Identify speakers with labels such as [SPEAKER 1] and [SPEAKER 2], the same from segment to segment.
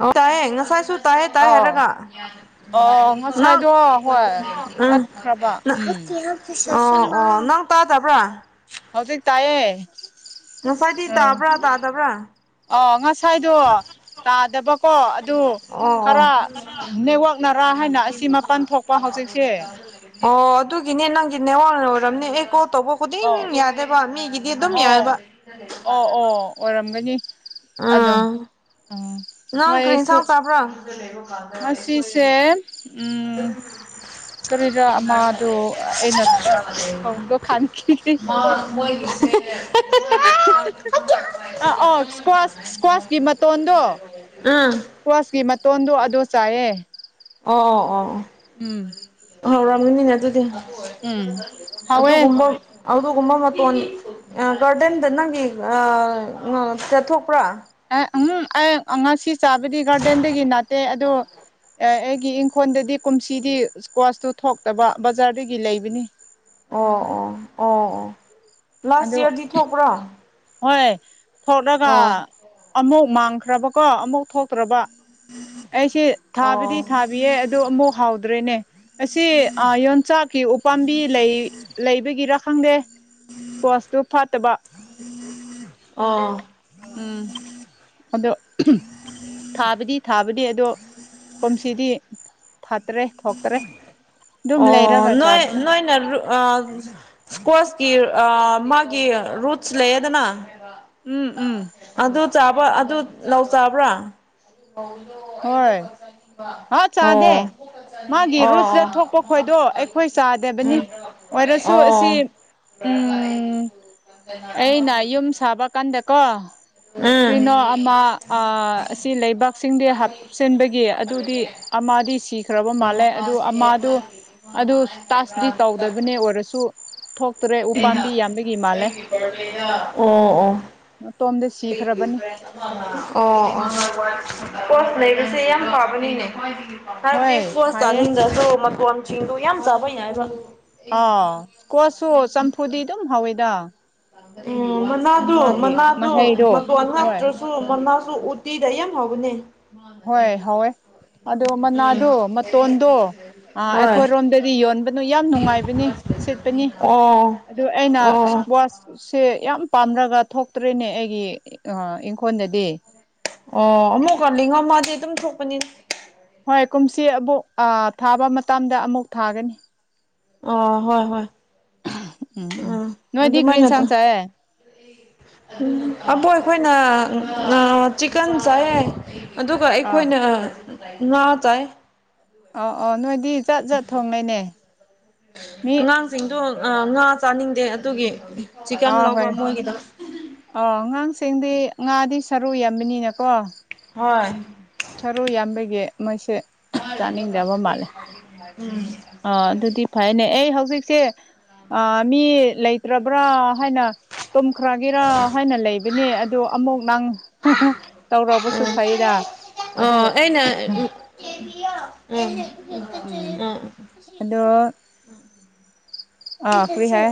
[SPEAKER 1] ꯑꯣ ꯇꯥꯏꯌꯦ ꯑꯦꯡꯉ ꯆꯥꯏꯁꯨꯣ ꯇꯥꯏꯌꯦ ꯇꯥꯏꯌꯦ
[SPEAKER 2] ꯑꯥꯎ
[SPEAKER 1] ꯍꯥꯏꯔꯒ
[SPEAKER 2] ꯑꯣ
[SPEAKER 1] ꯅꯪ
[SPEAKER 2] ꯉꯁꯥꯏꯗꯣ ꯍꯣꯏ ꯇꯠꯈ꯭ꯔꯕ ꯎꯝ
[SPEAKER 1] [unintelligible] ꯑꯣ ꯑꯣ ꯅꯪ ꯇꯕ꯭ꯔꯥ
[SPEAKER 2] ꯍꯥꯎ ꯊ ꯇꯥꯏꯌꯦ
[SPEAKER 1] ꯎ ꯐꯥꯏꯗꯤ ꯇꯥꯕ꯭ꯔꯥ ꯇꯥ ꯇꯥꯕ꯭ꯔꯥ
[SPEAKER 2] ꯑ ꯉꯁꯥꯏꯗꯣ ꯇꯥꯗꯕꯀꯣ ꯑꯗꯨ
[SPEAKER 1] ꯑꯣ ꯑꯣ
[SPEAKER 2] ꯈꯔ ꯅꯦꯠꯋꯥꯛꯅꯔꯥ ꯍꯥꯏꯅ ꯑꯁꯤ ꯃꯄꯥꯟ ꯊꯣꯛꯄ ꯍꯧꯖꯤꯛꯁꯦ
[SPEAKER 1] ꯑꯣ ꯑꯗꯨꯒꯤꯅꯦ ꯅꯪꯒꯤ ꯅꯦꯋꯥꯡꯅ ꯑꯣꯏꯔꯕꯝꯅꯦ ꯑꯦ ꯀꯣꯜ ꯇꯧꯕ ꯈꯨꯗꯤꯡ
[SPEAKER 2] ꯑꯣ
[SPEAKER 1] ꯌꯥꯗꯦꯕ [unintelligible] ꯃꯤꯒꯤꯗꯤ ꯑꯗꯨꯝ ꯌꯥꯑꯦꯕ꯫
[SPEAKER 2] ꯑꯣ ꯑꯣ ꯑꯣ ꯑꯣꯏꯔꯝꯒꯅꯤ ꯑꯗꯣ
[SPEAKER 1] ꯎꯝ
[SPEAKER 2] ꯎꯝ
[SPEAKER 1] ꯅꯪ
[SPEAKER 2] ꯅꯣꯏꯁꯨ
[SPEAKER 1] ꯀ꯭ꯔꯤꯁꯥꯡ ꯆꯥꯕ꯭ꯔꯣ
[SPEAKER 2] ꯉꯁꯤꯁꯦ
[SPEAKER 1] ꯑꯗ
[SPEAKER 2] ꯎꯝ ꯀꯔꯤꯔꯥ ꯑꯃꯗꯣ ꯑꯩꯅ ꯊꯣꯡꯗꯣ ꯈꯥꯟꯈꯤꯒꯦ
[SPEAKER 1] [inaudible] ꯃ ꯃꯣꯏꯒꯤ [unintelligible]
[SPEAKER 2] ꯑꯥ ꯑ ꯏꯁꯀ꯭ꯋꯥꯁ ꯏꯁꯀ꯭ꯋꯥꯁꯀꯤ ꯃꯇꯣꯟꯗꯣ
[SPEAKER 1] ꯎꯝ
[SPEAKER 2] ꯏꯁꯀ꯭ꯋꯥꯁꯀꯤ ꯃꯇꯣꯟꯗꯣ ꯑꯗꯨꯗꯣ ꯆꯥꯏꯑ
[SPEAKER 1] ꯑꯣ ꯑꯣ ꯑꯣ꯫
[SPEAKER 2] ꯎꯝ
[SPEAKER 1] ꯑ ꯔꯥꯝꯖꯅꯤꯅꯦ ꯑꯗꯨꯗꯤ
[SPEAKER 2] ꯎꯝ ꯍꯥꯎꯋꯦ
[SPEAKER 1] ꯑꯗꯨꯒꯨꯝꯕ ꯑꯗꯨꯒꯨꯝꯕ ꯃꯇꯣꯟ ꯒꯥꯔꯗꯦꯟꯗ ꯅꯪꯒꯤ ꯆꯠꯊꯣꯛꯄ꯭ꯔꯥ
[SPEAKER 2] ꯎꯝ ꯑꯩ ꯉꯁꯤ ꯆꯥꯕꯗꯤ ꯒꯥꯔꯗꯦꯟꯗꯒꯤ ꯅꯠꯇꯦ ꯑꯗꯨ ꯑꯦ ꯑꯩꯒꯤ ꯏꯪꯈꯣꯜꯗꯗꯤ ꯀꯨꯝꯁꯤꯗꯤ ꯏꯁ꯭ꯀ꯭ꯋꯥꯁꯇꯨ ꯊꯣꯛꯇꯕ ꯕꯖꯥꯔꯗꯒꯤ ꯂꯩꯕꯅꯤ
[SPEAKER 1] ꯑꯣ ꯑꯣ ꯑꯣ
[SPEAKER 2] ꯎꯝ
[SPEAKER 1] ꯑꯣ ꯂꯥꯁ
[SPEAKER 2] ꯑꯗꯨ
[SPEAKER 1] ꯏꯌꯥꯔꯗꯤ ꯊꯣꯛꯄ꯭ꯔꯣ꯫
[SPEAKER 2] ꯍꯣꯏ ꯊꯣꯛꯂꯒ
[SPEAKER 1] ꯑꯣ
[SPEAKER 2] ꯑꯃꯨꯛ ꯃꯥꯡꯈ꯭ꯔꯕꯀꯣ ꯑꯃꯨꯛ ꯊꯣꯛꯇ꯭ꯔꯕ ꯑꯩꯁꯦ ꯊꯥꯕꯗꯤ
[SPEAKER 1] ꯑꯣ
[SPEAKER 2] ꯊꯥꯕꯤꯌꯦ ꯑꯗꯨ ꯑꯃꯨꯛ ꯍꯥꯎꯗ꯭ꯔꯦꯅꯦ ꯉꯁꯤ ꯌꯣꯟꯆꯥꯛꯀꯤ ꯎꯄꯥꯝꯕꯤ ꯂꯩ ꯂꯩꯕꯒꯤꯔꯥ ꯈꯪꯗꯦ ꯀꯣꯁꯇꯨ ꯐꯠꯇꯕ
[SPEAKER 1] ꯑꯣ꯫
[SPEAKER 2] ꯎꯝ ꯑꯗꯣ꯫ ꯊꯥꯕꯗꯤ ꯊꯥꯕꯗꯤ ꯑꯗꯣ ꯀꯝꯁꯤꯗꯤ ꯊꯥꯠꯇ꯭ꯔꯦ ꯊꯣꯛꯇ꯭ꯔꯦ ꯑꯗꯨꯝ
[SPEAKER 1] ꯑꯣ
[SPEAKER 2] ꯂꯩꯔꯒ
[SPEAKER 1] ꯅꯣꯏ
[SPEAKER 2] ꯆꯥꯕꯅꯤ
[SPEAKER 1] ꯅꯣꯏ ꯅ ꯏꯁꯀꯁꯀꯤ ꯃꯥꯒꯤ ꯔꯨꯠꯁ ꯂꯩꯌꯦꯗꯅ
[SPEAKER 2] ꯎꯝ ꯎꯝ
[SPEAKER 1] ꯑꯗꯨ ꯆꯥꯕ꯭ꯔ ꯑꯗꯨ ꯂꯧꯧ ꯆꯥꯕ꯭ꯔꯥ
[SPEAKER 2] ꯍꯣꯏ ꯍꯥ
[SPEAKER 1] [unintelligible]
[SPEAKER 2] ꯆꯥꯗꯦ
[SPEAKER 1] ꯑꯣ
[SPEAKER 2] ꯃꯥꯒꯤ
[SPEAKER 1] [unintelligible]
[SPEAKER 2] ꯔꯨꯠꯁꯇ
[SPEAKER 1] ꯑꯣ꯫
[SPEAKER 2] ꯊꯣꯛꯄ
[SPEAKER 1] ꯎꯝ
[SPEAKER 2] ꯈꯣꯏꯗꯣ ꯑꯩꯈꯣꯏ ꯆꯥꯗꯕꯅꯤ ꯑꯣꯏꯔꯁꯨ ꯑꯁꯤ
[SPEAKER 1] ꯑꯣ
[SPEAKER 2] ꯎꯝ
[SPEAKER 1] ꯑꯃ
[SPEAKER 2] ꯑꯩꯅ
[SPEAKER 1] ꯄꯤ [unintelligible]
[SPEAKER 2] ꯌꯨꯝ ꯁꯥꯕ ꯀꯥꯟꯗꯀꯣ
[SPEAKER 1] ꯎꯝ
[SPEAKER 2] ꯀ꯭ꯔꯤꯅꯣ ꯑꯃ ꯑ ꯑꯁꯤ ꯂꯩꯕ꯫ ꯀꯛꯆꯤꯡꯗꯤ ꯍꯥꯞꯆꯤꯟꯕꯒꯤ ꯑꯗꯨꯗꯤ ꯑꯃꯗꯤ ꯁꯤ ꯈ꯭ꯔꯔꯕ ꯃꯥꯜꯂꯦ ꯑꯗꯨ ꯑꯃꯥꯗꯨ ꯑꯗꯨ ꯇꯥꯁꯇꯗꯤ ꯇꯧꯗꯕꯅꯦ ꯑꯣꯏꯔꯁꯨ ꯊꯣꯛ ꯇ꯭ꯔꯦ ꯎꯄꯥꯥꯝꯕꯤ ꯌꯥꯝꯕꯒꯤ ꯃꯥꯜꯂꯦ ꯃꯇꯣꯟꯗꯤ
[SPEAKER 1] ꯑꯩꯒꯤ ꯐꯔꯦꯟ ꯑꯃꯅ ꯑꯣ
[SPEAKER 2] ꯎꯝ
[SPEAKER 1] [unintelligible] ꯑꯣꯞ ꯂꯩꯕ ꯁꯦ ꯌꯥꯝ ꯄꯥꯕꯅꯤꯅꯦ ꯍꯥꯏꯕꯗꯤ
[SPEAKER 2] ꯍꯣꯏ
[SPEAKER 1] ꯄꯣꯁ
[SPEAKER 2] ꯐꯩꯌꯦ
[SPEAKER 1] ꯆꯥꯅꯤꯡꯗꯁꯨ ꯃꯇꯣꯟ ꯆꯤꯡꯗꯨ ꯌꯥꯝ ꯌꯥꯏꯑꯕ
[SPEAKER 2] ꯑ ꯀꯣꯠꯁꯨ ꯆꯝꯐꯨꯗꯤ ꯑꯗꯨꯝ ꯍꯧꯋꯤꯗ
[SPEAKER 1] ꯎ ꯃꯅꯥ ꯑꯗꯨ
[SPEAKER 2] ꯃꯥꯒꯤ
[SPEAKER 1] ꯃꯅꯥ ꯑꯗꯨ
[SPEAKER 2] ꯃꯍꯩꯗꯣ
[SPEAKER 1] [unintelligible] ꯃꯇꯣꯟ
[SPEAKER 2] ꯍꯣꯏ
[SPEAKER 1] ꯍꯥꯞꯇꯔꯁꯨ ꯃꯅꯥꯁꯨ ꯎꯇꯤꯗ ꯌꯥꯝ ꯍꯥꯎꯕꯅꯦ꯫
[SPEAKER 2] ꯍꯣꯏ ꯍꯧꯋꯦ ꯑꯗꯣ
[SPEAKER 1] ꯎꯝ
[SPEAKER 2] ꯃꯅꯥꯗꯣ ꯃꯇꯣꯟꯗꯣ
[SPEAKER 1] ꯍꯣꯏ
[SPEAKER 2] ꯅ ꯌꯥꯝ ꯅꯨꯡꯉꯥꯏꯕꯅꯤ ꯁꯤꯠꯄꯅꯤ
[SPEAKER 1] ꯑꯣ
[SPEAKER 2] ꯑꯗꯨ ꯑꯩꯅ
[SPEAKER 1] ꯑꯣ
[SPEAKER 2] ꯋꯥꯁ ꯁꯦ ꯌꯥꯝ ꯄꯥꯝꯅꯔꯒ ꯊꯣꯛꯇ꯭ꯔꯦꯅꯦ ꯑꯩꯒꯤ ꯑ ꯏꯪꯈꯣꯟꯗꯗꯤ꯫
[SPEAKER 1] ꯑꯣ ꯑꯃꯨꯛꯀ ꯂꯤꯡꯉꯃꯥꯗꯤ ꯑꯗꯨꯝ ꯊꯣꯛꯄꯅꯤ꯫
[SPEAKER 2] ꯍꯣꯏ ꯀꯨꯝꯁꯤ ꯑꯃꯨꯛ ꯊꯥꯕ ꯃꯇꯝꯗ ꯑꯃꯨꯛ ꯊꯥꯒꯅꯤ
[SPEAKER 1] ꯑ ꯍꯣꯏ ꯍꯣꯏ ꯑ
[SPEAKER 2] ꯎꯝ ꯎꯝ
[SPEAKER 1] ꯑꯗꯨ
[SPEAKER 2] ꯅꯣꯏꯗꯤ ꯀꯔꯤ
[SPEAKER 1] ꯑꯗꯨꯃꯥꯏꯅꯠꯇ
[SPEAKER 2] ꯏꯟꯁꯥꯡ ꯆꯥꯏꯌꯦ
[SPEAKER 1] ꯑꯕꯣ ꯑꯩꯈꯣꯏꯅ ꯆꯤꯛꯀꯟ ꯆꯥꯏ ꯑꯗꯨꯒ
[SPEAKER 2] ꯑ
[SPEAKER 1] ꯑꯩꯈꯣꯏꯅ [unintelligible] ꯉꯥ ꯆꯥꯏ꯫
[SPEAKER 2] ꯑꯧ ꯑꯧ ꯅꯣꯏꯗꯤ ꯖꯠ ꯖꯠ ꯊꯣꯡꯅꯩꯅꯦ ꯃꯤ
[SPEAKER 1] ꯁꯤꯡꯗꯣꯜ ꯉꯥ ꯆꯥꯅꯤꯡꯗꯦ ꯑꯗꯨꯒꯤ ꯆꯤꯛꯀꯟ
[SPEAKER 2] ꯑꯥ ꯍꯣꯏ꯫
[SPEAKER 1] ꯂꯧꯕ ꯃꯣꯏꯒꯤꯗ
[SPEAKER 2] ꯑꯣ ꯑꯉꯥꯡꯁꯤꯡꯗꯤ ꯉꯥꯗꯤ ꯁꯔꯨ ꯌꯥꯝꯕꯅꯤꯅꯀꯣ
[SPEAKER 1] ꯍꯣꯏ
[SPEAKER 2] ꯎꯝ꯫ ꯊꯔꯨ ꯌꯥꯝꯕꯒꯤ ꯃꯁꯦ
[SPEAKER 1] ꯃꯥ ꯂꯩꯕ ꯀꯥꯟꯗꯗꯤ [unintelligible] ꯍꯥꯏꯕꯅꯤ ꯎꯝ
[SPEAKER 2] ꯑꯥ ꯑꯗꯨꯗꯤ
[SPEAKER 1] [unintelligible]
[SPEAKER 2] ꯐꯩꯅꯦ ꯑꯩ ꯍꯧꯖꯤꯛꯁꯦ ꯑ ꯃꯤ ꯂꯩꯇꯔꯕ꯭ꯔꯥ ꯍꯥꯏꯅ ꯇꯨꯝꯈ꯭ꯔꯒꯦꯔꯥ ꯍꯥꯏꯅ ꯂꯩꯕꯅꯦ ꯑꯗꯣ ꯑꯃꯨꯛ ꯅꯪ ꯇꯧꯔꯕꯁꯨ ꯐꯩꯗ꯫ ꯑꯗꯨ
[SPEAKER 1] [unintelligible] ꯑꯩꯅ
[SPEAKER 2] ꯎꯝ
[SPEAKER 1] [unintelligible]
[SPEAKER 2] ꯑꯗꯣ ꯑꯥ ꯀꯔꯤ ꯍꯥꯏ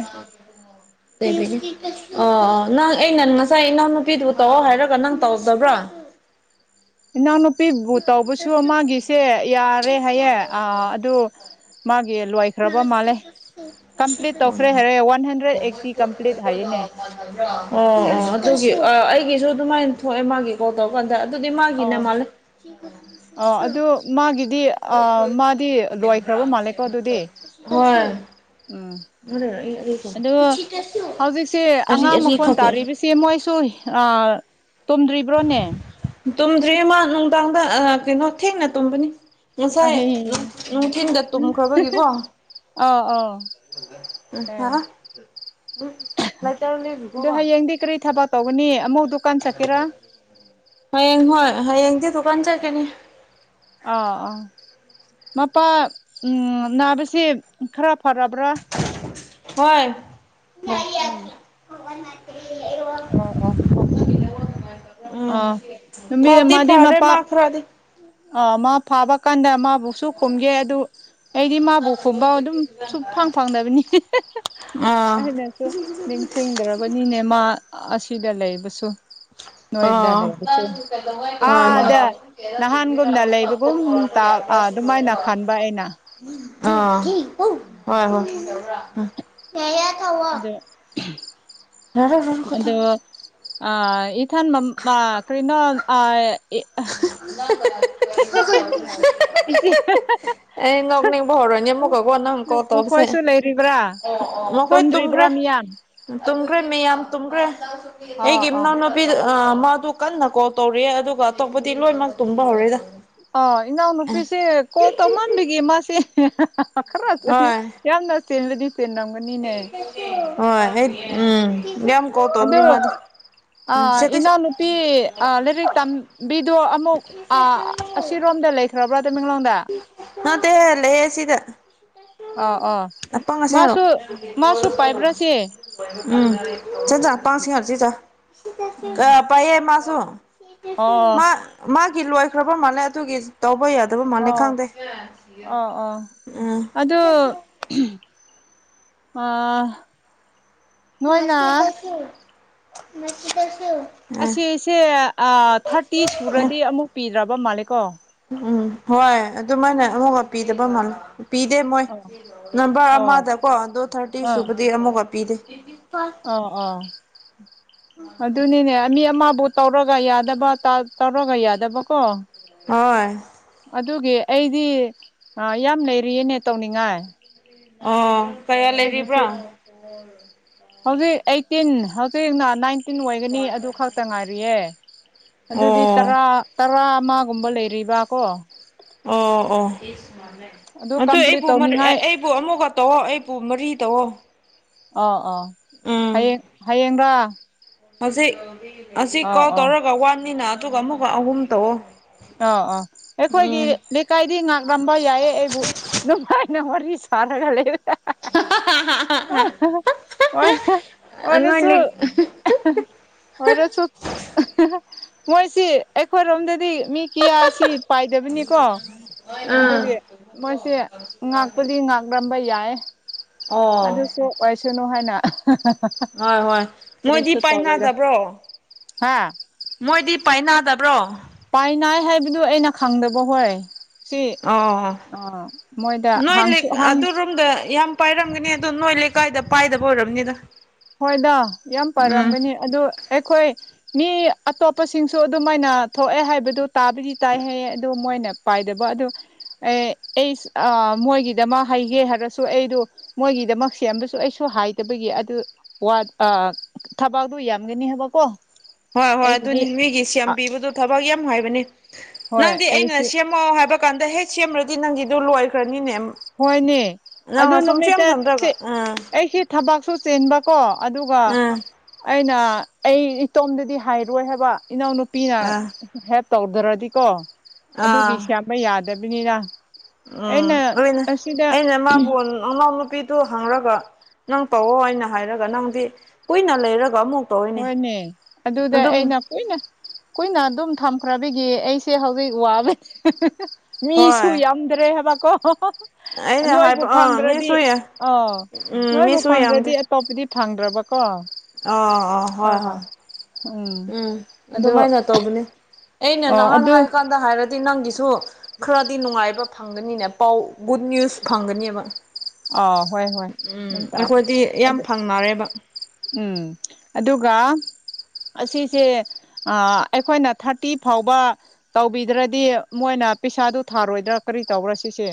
[SPEAKER 1] ꯑ ꯅꯪ ꯑꯦ ꯅꯅ ꯉꯁꯥꯏ ꯏꯅꯥꯎꯅꯨꯄꯤꯗꯨ ꯇꯧꯑꯣ ꯍꯥꯏꯔꯒ ꯅꯪ ꯇꯧꯗꯕ꯭ꯔꯥ
[SPEAKER 2] ꯏꯅꯥꯎꯅꯨꯄꯤꯕꯨ ꯇꯧꯕꯁꯨ ꯑꯃꯒꯤꯒꯤꯁꯦ ꯌꯥꯔꯦ ꯍꯥꯏꯌꯦ ꯑ ꯃꯥꯒꯤ ꯂꯋꯥ ꯂꯩꯈ꯭ꯔꯕ ꯃꯥꯜꯂꯦ ꯀꯝꯄ꯭ꯂꯤꯠ ꯇꯧꯈ꯭ꯔꯦ ꯍꯥꯏꯔꯦ ꯋꯥꯟ ꯍꯟꯗ꯭ꯔꯦꯗ ꯑꯩꯠꯇꯤ ꯀꯝꯄ꯭ꯂꯤꯠ ꯍꯥꯏꯌꯦꯅꯦ
[SPEAKER 1] ꯑꯣ
[SPEAKER 2] ꯃꯥꯒꯤꯁꯦ
[SPEAKER 1] ꯑꯣ ꯑꯗꯨꯒꯤ ꯑꯩꯒꯤꯁꯨ ꯑꯗꯨꯃꯥꯏꯅ ꯊꯣꯛꯑꯦ ꯃꯥꯒꯤ ꯀꯣꯜ ꯇꯧꯔꯀꯥꯟꯗ ꯑꯗꯨꯗꯤ ꯃꯥꯒꯤꯅꯦ ꯃꯥꯜꯂꯦ
[SPEAKER 2] ꯑ ꯑꯗꯨ ꯃꯥꯒꯤꯗꯤ ꯑ ꯃꯥꯗꯤ ꯂꯣꯏꯈ꯭ꯔꯕ ꯃꯥꯜꯂꯦ꯫ ꯀꯣ ꯑꯗꯨꯗꯤ
[SPEAKER 1] ꯍꯣꯏ
[SPEAKER 2] ꯎꯝ ꯑ ꯍꯧꯖꯤꯛꯁꯤꯦ
[SPEAKER 1] ꯑꯔꯤ
[SPEAKER 2] ꯑꯉꯥꯡ
[SPEAKER 1] ꯑꯔꯤ
[SPEAKER 2] ꯃꯈꯣꯟ
[SPEAKER 1] ꯈꯛꯀꯤ
[SPEAKER 2] ꯇꯥꯔꯤꯕꯁꯤ ꯁꯤ ꯃꯣꯏꯁꯨ ꯇꯣꯝꯗ꯭ꯔꯤꯕ꯭ꯔꯣꯅꯦ꯫
[SPEAKER 1] ꯇꯨꯝꯗ꯭ꯔꯤꯌꯦ ꯃꯥ ꯅꯨꯡꯗꯥꯡꯗ ꯀꯩꯅꯣ ꯊꯦꯡꯅ ꯇꯨꯝꯕꯅꯤ꯫ ꯉꯁꯥꯏ
[SPEAKER 2] ꯑꯍꯤꯡ
[SPEAKER 1] ꯅꯨꯡꯗꯤꯟꯗ ꯇꯨꯝꯈ꯭ꯔꯕꯒꯤꯀꯣ
[SPEAKER 2] ꯑꯥ ꯑꯥ
[SPEAKER 1] ꯎꯝ ꯍꯥ ꯎꯝ [unintelligible]
[SPEAKER 2] ꯑꯗꯣ ꯍꯌꯦꯡꯗꯤ ꯀꯔꯤ ꯊꯕꯛ ꯇꯧꯒꯅꯤ ꯑꯃꯨꯛ ꯗꯨꯀꯥꯟ ꯆꯠꯀꯦꯔꯥ꯫
[SPEAKER 1] ꯍꯌꯦꯡ ꯍꯣꯏ ꯍꯌꯦꯡꯗꯤ ꯗꯨꯀꯥꯟ ꯆꯠꯈꯤꯅꯤ꯫
[SPEAKER 2] ꯑꯥ ꯑꯥ ꯃꯄꯥ ꯅꯥꯁꯦ ꯈꯔ ꯐꯔꯕ꯭ꯔꯥ
[SPEAKER 1] ꯍꯣꯏ
[SPEAKER 2] ꯎꯝ
[SPEAKER 1] ꯍꯔ [unintelligible]
[SPEAKER 2] ꯑꯣ ꯑꯣ
[SPEAKER 1] ꯎꯝ
[SPEAKER 2] ꯑꯥ ꯅꯨꯃꯤ
[SPEAKER 1] ꯐꯕꯗꯤ
[SPEAKER 2] ꯃꯥꯗꯤ
[SPEAKER 1] ꯐꯔꯦ
[SPEAKER 2] ꯃꯄꯥ
[SPEAKER 1] ꯃꯥ ꯈꯔꯗꯤ
[SPEAKER 2] ꯑꯥ ꯃꯥ ꯐꯥꯕ ꯀꯥꯟꯗ ꯃꯥꯕꯨ ꯁꯨ ꯈꯨꯝꯒꯦ ꯑꯗꯨ ꯑꯩꯗꯤ ꯃꯥꯕꯨ ꯈꯨꯝꯕ ꯑꯗꯨꯝ ꯁꯨꯛ ꯐꯪ ꯐꯪꯗꯅꯕꯅꯤ
[SPEAKER 1] ꯑꯥ
[SPEAKER 2] ꯑꯩꯅꯁꯨ ꯅꯤꯡꯁꯤꯡꯗ꯭ꯔꯕꯅꯤꯅꯦ ꯃꯥ ꯑꯁꯤꯗ ꯂꯩꯕꯁꯨ꯫ ꯅꯣꯏꯗ
[SPEAKER 1] ꯎꯝ
[SPEAKER 2] ꯂꯩꯕꯁꯨ
[SPEAKER 1] ꯍꫭꯏ
[SPEAKER 2] ꯑꯥꯗ ꯅꯍꯥꯟꯒꯨꯝꯅ ꯂꯩꯕꯒꯨꯝ ꯑꯗꯨꯃꯥꯏꯅ ꯈꯟꯕ
[SPEAKER 1] ꯍꫭꯏ ꯑ
[SPEAKER 2] ꯎꯝ [unintelligible]
[SPEAKER 1] ꯍꯣꯏ ꯍꯣꯏ ꯌꯥ ꯀ
[SPEAKER 2] ꯑꯗꯣ ꯑꯗꯣ ꯏꯊ ꯃ ꯀ꯭ꯔꯤꯅꯣ
[SPEAKER 1] [unintelligible]
[SPEAKER 2] ꯏꯆꯦ꯫
[SPEAKER 1] ꯑꯦ ꯉꯣꯛꯅꯤꯕ ꯍꯔꯅꯤ ꯃꯀ ꯀꯣ ꯑꯅꯥꯍꯪ ꯀꯣ ꯇꯣꯁꯦ
[SPEAKER 2] ꯃꯈꯣꯏꯁꯨ ꯂꯩꯔꯤꯕ꯭ꯔꯥ
[SPEAKER 1] ꯃꯈꯣꯏ ꯇꯨꯝꯈ꯭ꯔꯦ
[SPEAKER 2] ꯇꯨꯝꯗ꯭ꯔꯤꯕ꯭ꯔꯥ ꯃꯤꯌꯥꯝ
[SPEAKER 1] ꯇꯨꯝꯈ꯭ꯔꯦ ꯃꯤꯌꯥꯝ ꯇꯨꯝꯈ꯭ꯔꯦ [unintelligible]
[SPEAKER 2] ꯑ
[SPEAKER 1] ꯑꯩꯒꯤ
[SPEAKER 2] ꯑ
[SPEAKER 1] ꯏꯅꯥꯎꯅ ꯄꯤꯗ ꯃꯥꯗꯣ ꯀꯟꯅ ꯀꯣꯜ ꯇꯧꯔꯤꯌꯦ ꯑꯗꯨꯒ ꯑꯇꯣꯞꯄꯗꯤ ꯂꯣꯏꯃꯛ ꯇꯨꯝꯕ ꯍꯧꯔꯦꯗ꯫
[SPEAKER 2] ꯑ ꯏꯅꯥꯎꯅꯨꯄꯤꯁꯤ ꯀꯣꯜ ꯇꯧꯃꯟꯕꯤꯒꯤ ꯃꯥꯁꯤ ꯈꯔ ꯌꯥꯝꯅ ꯆꯦꯜꯂꯗꯤ ꯆꯦꯟꯂꯝꯝꯒꯅꯤ
[SPEAKER 1] ꯍ ꯎꯝ ꯌꯥꯝ ꯌꯥꯝ ꯀꯧ ꯇꯣꯅꯤ ꯃꯥꯗꯤ
[SPEAKER 2] ꯑ ꯏꯅꯥꯎꯅꯨꯄꯤ ꯂꯥꯏꯔꯤꯛ ꯇꯝꯕꯤꯗꯨ ꯑꯃꯨꯛ ꯑ ꯑꯁꯤꯔꯣꯝꯗ ꯂꯩꯈ꯭ꯔꯕ꯭ꯔꯣ ꯇꯃꯦꯡꯂꯣꯡꯗ
[SPEAKER 1] ꯃꯗꯦ ꯂꯦ ꯁꯤꯗ
[SPEAKER 2] ꯑꯥ ꯑꯥ
[SPEAKER 1] ꯑꯄꯉ
[SPEAKER 2] ꯃꯥꯁꯨ ꯃꯥꯁꯨ ꯄꯥꯏꯕ꯭ꯔꯥꯁꯦ
[SPEAKER 1] ꯑꯁꯦ
[SPEAKER 2] ꯎꯝ
[SPEAKER 1] ꯑ ꯄꯥꯏꯌꯦ ꯃꯥꯁꯨꯨ [unintelligible]
[SPEAKER 2] ꯑꯣ
[SPEAKER 1] ꯃꯥ ꯃꯥꯒꯤ ꯂꯣꯏꯈ꯭ꯔꯕ ꯃꯥꯜꯂꯦ ꯑꯗꯨꯒꯤ ꯇꯧꯕ ꯌꯥꯗꯕ ꯃꯥꯜꯂꯦ
[SPEAKER 2] ꯑꯣ
[SPEAKER 1] ꯈꯪꯗꯦ꯫
[SPEAKER 2] ꯑꯣ
[SPEAKER 1] ꯎꯝ
[SPEAKER 2] ꯑ ꯑꯗꯣ
[SPEAKER 1] ꯃꯁꯤꯁꯤ ꯀꯁ ꯃꯁꯤ ꯀꯁ
[SPEAKER 2] ꯑꯁꯤꯁꯦ ꯊꯥꯔꯇꯤ ꯁꯨꯔꯗꯤ ꯑꯃꯨꯛ ꯄꯤꯗ꯭ꯔꯕ ꯃꯥꯜꯂꯦꯀꯣ
[SPEAKER 1] ꯎꯝ ꯍꯣꯏ ꯑꯗꯨꯃꯥꯏꯅ ꯑꯃꯨꯛꯒ ꯄꯤꯗꯕ ꯃꯥꯂ ꯄꯤꯗꯦ ꯃꯣꯏ
[SPEAKER 2] ꯑꯣ
[SPEAKER 1] [unintelligible] ꯅꯝꯕꯔ
[SPEAKER 2] ꯑꯣ
[SPEAKER 1] ꯑꯃꯗꯀꯣ ꯑꯗꯨ ꯊꯥꯔꯇꯤ ꯁꯨꯕꯗꯤ ꯑꯃꯨꯛꯀ ꯄꯤꯗꯦ꯫
[SPEAKER 2] ꯑ ꯑꯥ
[SPEAKER 1] [unintelligible]
[SPEAKER 2] ꯑꯗꯨꯅꯤꯅꯦ ꯃꯤ ꯑꯃꯕꯨ ꯇꯧꯔꯒ ꯌꯥꯗꯕ ꯇꯧꯔꯒ ꯌꯥꯗꯕꯀꯣ
[SPEAKER 1] ꯍ
[SPEAKER 2] ꯑꯗꯨꯒꯤ ꯑꯩꯗꯤ ꯌꯥꯝ ꯂꯩꯔꯤꯌꯦꯅꯦ ꯇꯧꯅꯤꯡꯉꯥꯏ꯫
[SPEAKER 1] ꯑ
[SPEAKER 2] ꯑꯩꯒꯤꯁꯤ ꯍꯧꯖꯤꯛ ꯑꯩꯇꯤꯟ ꯍꯧꯖꯤꯛꯅ ꯅꯥꯏꯟ ꯇꯤꯟ ꯑꯣꯏꯒꯅꯤ ꯑꯗꯨ ꯈꯛꯇ ꯉꯥꯏꯔꯤꯑꯦ
[SPEAKER 1] ꯑꯣ
[SPEAKER 2] ꯑꯗꯨꯗꯤꯔꯥ ꯨꯒꯨꯝꯕ ꯂꯩꯔꯤꯕ ꯀꯣ꯫
[SPEAKER 1] ꯑꯣ
[SPEAKER 2] ꯎꯝ ꯑꯗꯨ ꯀꯝꯄ꯭ꯂꯤꯠ
[SPEAKER 1] ꯑꯣꯣ
[SPEAKER 2] ꯇꯧꯅꯤꯡꯉꯥꯏ
[SPEAKER 1] ꯑꯩꯕꯨ ꯑꯃꯨꯛꯀ ꯇꯧꯣ ꯑꯩꯕꯨ ꯃꯔꯤ ꯇꯧꯑꯣꯣ
[SPEAKER 2] ꯑꯥ ꯑꯥ
[SPEAKER 1] ꯎꯝ
[SPEAKER 2] ꯍꯌꯦꯡ ꯍꯌꯦꯡꯔ
[SPEAKER 1] ꯍꯧꯖꯤꯛ ꯑꯁꯤ ꯀꯥꯎ
[SPEAKER 2] ꯑꯥ
[SPEAKER 1] ꯇꯧꯔꯒ ꯋꯥꯟꯅꯤꯅ ꯑꯗꯨꯒ ꯑꯃꯨꯛꯀ ꯑꯍꯨꯝ ꯇꯧꯑꯣ
[SPEAKER 2] [unintelligible] ꯑꯥ ꯑꯩꯈꯣꯏꯒꯤ
[SPEAKER 1] ꯎꯝ
[SPEAKER 2] ꯂꯤꯛ ꯀꯥꯏꯗꯤ ꯉꯥꯛꯂꯝꯕ ꯌꯥꯏꯌꯦ ꯑꯩꯕꯨ ꯅꯨꯡꯉꯥꯏꯅ ꯋꯥꯔꯤ ꯁꯥꯟꯅꯔ ꯂꯩꯔꯦ꯫ ꯋꯥ
[SPEAKER 1] ꯅꯣꯏ
[SPEAKER 2] ꯃꯅꯁꯨꯨ
[SPEAKER 1] ꯂꯤꯛ
[SPEAKER 2] ꯑꯣꯏꯔꯁꯨ ꯃꯣꯏꯁꯤ ꯑꯩꯈꯣꯏꯔꯣꯝꯗꯗꯤ ꯃꯤ ꯀꯤꯌꯥꯁꯤ ꯄꯥꯏꯗꯕꯅꯤ ꯀꯣ ꯑꯗꯨꯒꯤ
[SPEAKER 1] ꯑꯥ
[SPEAKER 2] ꯃꯣꯏꯁꯦ ꯉꯥꯛꯄꯗꯤ ꯉꯥꯛꯂꯝꯝꯕ ꯌꯥꯏ
[SPEAKER 1] ꯑꯣ
[SPEAKER 2] ꯋꯥꯏꯁꯅꯨ ꯍꯥꯏꯅ
[SPEAKER 1] ꯍꯣꯏ ꯍꯣꯏ ꯃꯣꯏꯗꯤ
[SPEAKER 2] ꯇꯔꯤꯁꯨ ꯇꯧꯔꯣꯢꯗ
[SPEAKER 1] ꯄꯥꯏꯅꯗꯕ꯭ꯔꯣ
[SPEAKER 2] ꯍꯥꯥ
[SPEAKER 1] ꯃꯣꯏꯗꯤ ꯄꯥꯏꯅꯗꯕ꯭ꯔꯣ
[SPEAKER 2] ꯄꯥꯏ ꯅꯥꯏ ꯍꯥꯏꯕꯗꯨ ꯑꯩꯅ ꯈꯪꯗꯕ ꯍꯣꯏ ꯁꯤ
[SPEAKER 1] ꯑꯥ-ꯑꯥ
[SPEAKER 2] ꯑꯥ ꯃꯣꯏꯗ
[SPEAKER 1] ꯅꯣꯏ
[SPEAKER 2] ꯍꯥꯡꯁꯨ
[SPEAKER 1] ꯂꯤꯛ
[SPEAKER 2] ꯍꯥꯡ
[SPEAKER 1] ꯑꯗꯨꯔꯣꯝꯗ ꯌꯥꯝ ꯄꯥꯏꯔꯝꯒꯅꯤ ꯑꯗꯣ ꯅꯣꯏ ꯂꯩꯀꯥꯏꯗ ꯄꯥꯏꯗꯕ ꯑꯣꯏꯔꯝꯅꯤꯗ꯫
[SPEAKER 2] ꯍꯣꯏꯗ ꯌꯥꯝ
[SPEAKER 1] ꯎꯝ
[SPEAKER 2] ꯄꯥꯔꯝꯒꯅꯤ ꯑꯗꯨ ꯑꯩꯈꯣꯏ ꯃꯤ ꯑꯇꯣꯞꯄꯁꯤꯡꯁꯨ ꯑꯗꯨꯃꯥꯏꯅ ꯊꯣꯛꯑꯦ ꯍꯥꯏꯕꯗꯨ ꯇꯥꯕꯗꯤ ꯇꯥꯏꯍ ꯑꯗꯨ ꯃꯣꯏꯅ ꯄꯥꯏꯗꯕ ꯑꯗꯨ ꯑꯩ ꯑꯦꯁ ꯃꯣꯏꯒꯤꯗꯃꯛ ꯍꯥꯏꯒꯦ ꯍꯥꯏꯔꯁꯨ ꯑꯩꯗꯨ ꯃꯣꯏꯒꯤꯗꯃꯛ ꯁꯦꯝꯕꯁꯨ ꯑꯩꯁꯨ ꯍꯥꯏꯗꯕꯒꯤ ꯑꯗꯨ ꯋꯥ ꯑ ꯊꯕꯥꯛꯗꯨꯣ ꯌꯥꯝꯒꯅꯤ ꯍꯥꯏꯕꯀꯣ
[SPEAKER 1] ꯍꯣꯏ ꯍꯣꯏ
[SPEAKER 2] ꯑꯩꯒꯤꯗꯤ
[SPEAKER 1] ꯑꯗꯨꯅꯤ ꯃꯤꯒꯤ ꯁꯦꯝꯕꯤꯕꯗꯨꯣ ꯊꯕꯛ ꯌꯥꯝ ꯍꯥꯏꯕꯅꯤ
[SPEAKER 2] ꯍꯣꯏ
[SPEAKER 1] ꯅꯪꯗꯤ ꯑꯩꯅ
[SPEAKER 2] ꯑꯩꯁꯤ
[SPEAKER 1] ꯁꯦꯝ ꯃꯣ ꯍꯥꯏꯕ ꯀꯥꯟꯗ ꯍꯦꯛ ꯁꯦꯝꯃ꯭ꯔꯗꯤ ꯅꯪꯒꯤꯗꯨ ꯂꯣꯏꯈ꯭ꯔꯅꯤꯅꯦ
[SPEAKER 2] ꯍꯣꯏꯅꯦ ꯑꯗꯨ
[SPEAKER 1] ꯅꯪꯅ ꯁꯨꯝ ꯁꯦꯝ
[SPEAKER 2] ꯅꯨꯃꯤꯠꯇ
[SPEAKER 1] ꯁꯦꯝꯗ꯭ꯔꯒ ꯎꯝ
[SPEAKER 2] ꯑꯩꯁꯤ ꯊꯕꯛꯁꯨ ꯆꯦꯟꯕꯀꯣ ꯑꯗꯨꯒ
[SPEAKER 1] ꯎꯝ
[SPEAKER 2] ꯑꯩꯅ ꯑꯩ ꯏꯇꯣꯝꯗꯗꯤ ꯍꯥꯏꯔꯣꯏ ꯍꯥꯏꯕ ꯏꯅꯥꯎꯅꯨꯄꯤꯅ
[SPEAKER 1] ꯑꯥ
[SPEAKER 2] ꯍꯦꯞ ꯇꯧꯗ꯭ꯔꯗꯤꯀꯣ ꯑꯗꯨꯒꯤ ꯁꯦꯝꯕ ꯌꯥꯗꯕꯅꯤꯅ ꯑꯩꯅ
[SPEAKER 1] ꯎꯝꯅꯦ
[SPEAKER 2] ꯑꯁꯤꯗ
[SPEAKER 1] ꯑꯦꯩꯅ ꯃꯥ ꯐꯣꯟ ꯃꯅꯥꯎ ꯅꯨꯨꯄꯤꯗꯨ ꯍꯪꯔꯒ ꯅꯪ ꯇꯧꯋꯣ ꯍꯥꯏꯅ ꯍꯥꯏꯔꯒ ꯅꯪꯗꯤ ꯀꯨꯏꯅ ꯂꯩꯔꯒ ꯑꯃꯨꯛ ꯇꯧꯋꯤꯅꯦ
[SPEAKER 2] ꯍꯣꯏꯅꯦ ꯑꯗꯨꯗ
[SPEAKER 1] ꯑꯗꯨꯝ
[SPEAKER 2] ꯑꯩꯅ ꯀꯨꯏꯅ ꯀꯨꯏꯅ ꯑꯗꯨꯝ ꯊꯝꯈ꯭ꯔꯕꯤꯒꯤ ꯑꯩꯁꯦ ꯍꯧꯖꯤꯛ ꯋꯥꯕꯅꯤ꯫ ꯃꯤꯁꯨ
[SPEAKER 1] ꯍꯣꯏ
[SPEAKER 2] ꯌꯥꯝꯗ꯭ꯔꯦ ꯍꯥꯏꯕꯀꯣ꯫
[SPEAKER 1] ꯑꯩꯅ
[SPEAKER 2] ꯅꯣꯏꯕꯨ
[SPEAKER 1] ꯍꯥꯏꯕ ꯑꯥ
[SPEAKER 2] ꯐꯪꯗ꯭ꯔꯗꯤ
[SPEAKER 1] ꯃꯤꯁꯨ
[SPEAKER 2] ꯑ
[SPEAKER 1] ꯎꯝ
[SPEAKER 2] ꯅꯣꯏꯕꯨ
[SPEAKER 1] ꯃꯤꯁꯨ
[SPEAKER 2] ꯐꯪꯗ꯭ꯔꯗꯤ ꯑꯇꯣꯞꯄꯗꯤ ꯐꯪꯗ꯭ꯔꯕ ꯀꯣ
[SPEAKER 1] ꯑꯣ ꯑꯣ
[SPEAKER 2] ꯑꯥ
[SPEAKER 1] ꯎꯝ
[SPEAKER 2] ꯑꯗꯨ
[SPEAKER 1] ꯑꯗꯨꯃꯥꯏꯅ ꯇꯧꯕꯅꯤ ꯑꯩꯅ
[SPEAKER 2] ꯑꯣ
[SPEAKER 1] ꯅꯍꯥꯟ
[SPEAKER 2] ꯑꯗꯨ
[SPEAKER 1] ꯍꯥꯏꯀꯥꯟꯗ ꯍꯥꯏꯔꯗꯤ ꯅꯪꯒꯤꯁꯨ ꯈꯔꯗꯤ ꯅꯨꯡꯉꯥꯏꯕ ꯐꯪꯒꯅꯤꯅꯦ ꯄꯥꯎ ꯒꯨꯗ ꯅ꯭ꯌꯨꯁ ꯐꯪꯒꯅꯦꯕ
[SPEAKER 2] ꯑꯥ ꯍꯣꯏ ꯍꯣꯏ
[SPEAKER 1] ꯎꯝ
[SPEAKER 2] ꯑꯗꯨꯝ ꯇꯥꯏ
[SPEAKER 1] ꯑꯩꯈꯣꯏꯗꯤ ꯌꯥꯝ
[SPEAKER 2] ꯑꯗꯨ
[SPEAKER 1] ꯐꯪꯅꯔꯦꯕ
[SPEAKER 2] ꯎꯝ ꯑꯗꯨꯒ ꯑꯁꯤꯁꯦ ꯑꯩꯈꯣꯏꯅ ꯊꯥꯔꯇꯤ ꯐꯥꯎꯕ ꯇꯧꯕꯤꯗ꯭ꯔꯗꯤ ꯃꯣꯏꯅ ꯄꯩꯁꯥꯗꯨ ꯊꯥꯔꯣꯏꯗ꯭ꯔꯥ ꯀꯔꯤ ꯇꯧꯕ꯭ꯔꯥ ꯁꯤꯁꯦ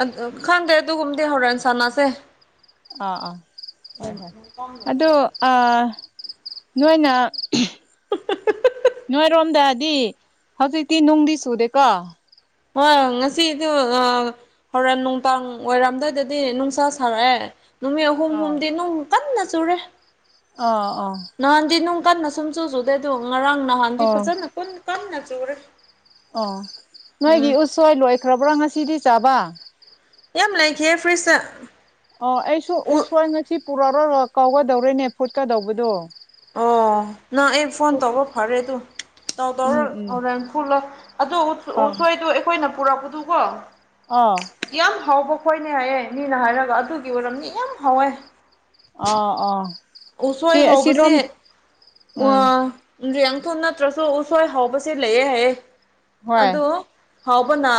[SPEAKER 1] ꯑ ꯈꯪꯗꯦ ꯑꯗꯨꯒꯒꯨꯝꯗꯦ ꯍꯧꯔꯅ ꯏꯟꯁꯥꯟꯅꯥꯁꯦ
[SPEAKER 2] ꯑꯥ ꯑꯥ ꯍꯣꯏ ꯍꯣꯏ ꯑꯗꯨ ꯑ ꯅꯣꯏꯅ ꯅꯣꯏꯔꯣꯝꯗꯗꯤ ꯍꯧꯖꯤꯛꯇꯤ ꯅꯨꯡꯗꯤ ꯆꯨꯗꯦꯀꯣ꯫
[SPEAKER 1] ꯍꯣꯏ ꯉꯁꯤꯗꯨ ꯑꯥ ꯍꯣꯔꯦꯟ ꯅꯨꯡꯗꯥꯡ ꯑꯣꯏꯔꯝꯗꯥꯏꯗꯗꯤ ꯅꯨꯡꯁꯥ ꯁꯥꯔꯛꯑꯦ ꯅꯨꯃꯤꯠ ꯑꯍꯨꯝ
[SPEAKER 2] ꯑꯥꯎ
[SPEAKER 1] ꯍꯨꯝꯗꯤ ꯅꯨꯡ ꯀꯟꯅ ꯆꯨꯔꯦ꯫
[SPEAKER 2] ꯑꯥ ꯑꯥ
[SPEAKER 1] ꯅꯍꯥꯟꯗꯤ ꯅꯨꯡ ꯀꯟꯅ ꯁꯨꯝ ꯆꯨ ꯆꯨꯗꯦ ꯑꯗꯨ ꯉꯔꯥꯡ ꯅꯍꯥꯟꯗꯤ
[SPEAKER 2] ꯑꯣ
[SPEAKER 1] ꯐꯖꯅ ꯀꯟꯅ ꯆꯨꯔꯦ꯫
[SPEAKER 2] ꯑꯣ
[SPEAKER 1] ꯎꯝ
[SPEAKER 2] ꯅꯣꯏꯒꯤ ꯎꯠꯁꯣꯏ ꯂꯣꯏꯈ꯭ꯔꯕ꯭ꯔꯣ ꯉꯁꯤꯗꯤ ꯆꯥꯕ
[SPEAKER 1] ꯌꯥꯝ ꯂꯩꯈꯤꯌꯦ ꯐ꯭ꯔꯤꯖꯇ
[SPEAKER 2] ꯑꯣ ꯑꯩꯁꯨ
[SPEAKER 1] ꯎ
[SPEAKER 2] ꯎꯁꯣꯏ ꯉꯁꯤ ꯄꯨꯔꯛꯔ ꯀꯧꯒꯗꯧꯔꯤꯅꯦ ꯐꯨꯠꯀꯗꯧꯕꯗꯣ
[SPEAKER 1] ꯑꯣ ꯅꯪ ꯑꯩ ꯐꯣꯟ ꯇꯧꯕ ꯐꯔꯦ ꯑꯗꯨ ꯇꯧ
[SPEAKER 2] ꯎꯝ
[SPEAKER 1] ꯇꯧꯔꯣ
[SPEAKER 2] ꯎꯝ
[SPEAKER 1] ꯍꯧꯔꯦꯟ ꯐꯨꯠꯂ ꯑꯗꯨ ꯎꯁꯨ
[SPEAKER 2] ꯑꯥ
[SPEAKER 1] ꯎꯁꯣꯏꯗꯣ ꯑꯩꯈꯣꯏꯅ ꯄꯨꯔꯛꯄꯗꯨꯀꯣ
[SPEAKER 2] ꯑꯥ
[SPEAKER 1] ꯌꯥꯝ ꯍꯥꯎꯕ ꯈꯣꯏꯅꯦ ꯍꯥꯏꯌꯦ ꯃꯤꯅ ꯍꯥꯏꯔꯒ ꯑꯗꯨꯒꯤ ꯑꯣꯏꯔꯝꯗꯤ ꯌꯥꯝ ꯍꯥꯎꯋꯦ꯫
[SPEAKER 2] ꯑꯥ ꯑꯥ ꯁꯤ
[SPEAKER 1] ꯎꯁꯣꯏ
[SPEAKER 2] ꯑꯁꯤꯔꯣꯝ
[SPEAKER 1] ꯍꯧꯕꯁꯦ ꯎꯋ
[SPEAKER 2] ꯎꯝ
[SPEAKER 1] ꯌꯦꯡꯊꯡ ꯅꯠꯇ꯭ꯔꯁꯨ ꯎꯁꯣꯏ ꯍꯥꯎꯕꯁꯦ ꯂꯩꯑꯦ ꯍꯥꯏꯌꯦ
[SPEAKER 2] ꯍꯣꯏ
[SPEAKER 1] ꯑꯗꫭ ꯍꯥꯎꯕꯅ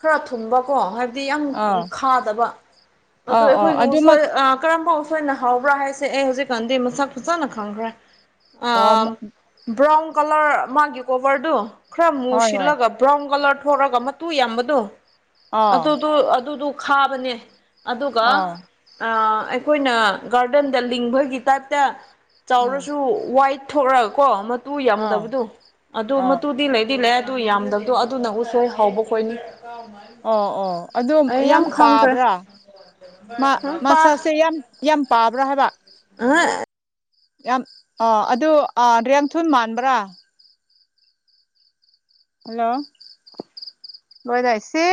[SPEAKER 1] ꯈꯔ ꯊꯨꯝꯕꯀꯣ ꯍꯥꯏ ꯌꯥꯝ
[SPEAKER 2] ꯑꯥ
[SPEAKER 1] ꯈꯥꯗꯕ ꯑꯗꯨ
[SPEAKER 2] ꯑꯥ ꯑꯥ
[SPEAKER 1] ꯑꯩꯈꯣꯏꯒꯤ ꯎ
[SPEAKER 2] ꯑꯗꯨꯃꯛ
[SPEAKER 1] ꯀꯔꯝꯕ ꯊꯣꯏꯅ ꯍꯥꯎꯕ꯭ꯔꯥ ꯍꯥꯏꯁꯦ ꯑꯩ ꯍꯧꯖꯤꯛꯀꯥꯟꯗꯤ ꯃꯁꯛ ꯐꯖꯥꯅ ꯈꯪꯈ꯭ꯔꯦ
[SPEAKER 2] ꯑꯣ
[SPEAKER 1] ꯑ ꯕ꯭ꯔꯥꯎꯟ ꯀꯂꯔ ꯃꯥꯒꯤ ꯀꯣꯕꯔꯗꯨ ꯈꯔ ꯃꯨ
[SPEAKER 2] ꯍꯣꯏ ꯍꯣꯏ
[SPEAKER 1] ꯁꯤꯜꯂꯒ ꯕ꯭ꯔꯥꯎꯟ ꯀꯂꯔ ꯊꯣꯛꯑꯒ ꯃꯇꯨ ꯌꯥꯝꯕꯗꯣ
[SPEAKER 2] ꯑꯥ
[SPEAKER 1] ꯑꯗꯨ ꯑꯗꯨꯗꯨꯣ ꯈꯥꯕꯅꯦ꯫ ꯑꯗꯨꯒ
[SPEAKER 2] ꯑꯥ
[SPEAKER 1] ꯑꯩꯈꯣꯏꯅ ꯒꯥꯔꯗꯦꯟꯗ ꯂꯤꯡꯕꯒꯤ ꯇꯥꯏꯞꯇ
[SPEAKER 2] ꯎꯝ
[SPEAKER 1] ꯆꯥꯎꯔꯁꯨ ꯋꯥꯏꯠ ꯊꯣꯛꯂꯒ ꯀꯣ ꯇꯨ
[SPEAKER 2] ꯑꯥ
[SPEAKER 1] ꯌꯥꯝꯗꯕꯗꯣ ꯑꯗꯨ
[SPEAKER 2] ꯑꯥ
[SPEAKER 1] ꯃꯇꯨꯗꯤ ꯂꯩꯗꯤ ꯂꯩ ꯑꯗꯨ ꯌꯥꯝꯗꯕ ꯑꯗꯣ ꯑꯗꯨꯅ ꯎꯁꯣꯏ ꯍꯥꯎꯕ ꯈꯣꯏꯅꯤ꯫
[SPEAKER 2] ꯑꯣ ꯑꯣ ꯑꯗꯨ
[SPEAKER 1] ꯑꯩ
[SPEAKER 2] ꯌꯥꯝ
[SPEAKER 1] ꯈꯪꯈ꯭ꯔꯦ
[SPEAKER 2] ꯄꯥꯕ꯭ꯔꯥ
[SPEAKER 1] ꯄꯥ
[SPEAKER 2] ꯃꯁꯥꯛꯁꯤ ꯌꯥꯝ ꯌꯥꯝ ꯄꯥꯕ꯭ꯔꯥ ꯍꯥꯏꯕ
[SPEAKER 1] ꯑꯥꯑ
[SPEAKER 2] ꯌꯥꯝ ꯑ ꯑꯗꯨ ꯔꯦꯝ ꯊꯨꯟ ꯃꯥꯟꯕ꯭ꯔꯥ ꯍꯜꯂꯣ ꯂꯣꯏꯗꯥꯥꯏꯁꯤ꯫